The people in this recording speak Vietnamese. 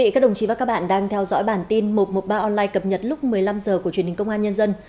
các đồng chí và các bạn đang theo dõi bản tin một trăm một mươi ba online cập nhật lúc một mươi năm h của truyền hình công an nhân dân